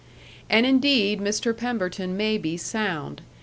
And indeed Mr. Pemberton may be sound.